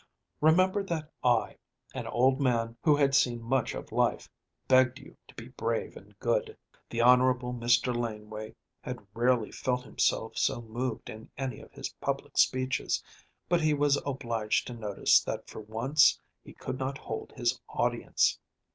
Remember that I, an old man who had seen much of life, begged you to be brave and good." The Honorable Mr. Laneway had rarely felt himself so moved in any of his public speeches, but he was obliged to notice that for once he could not hold his audience.